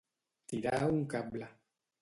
Tirar un cable.